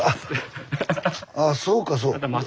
あそうかそう。